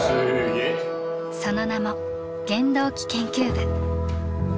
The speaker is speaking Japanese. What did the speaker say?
その名も「原動機研究部」。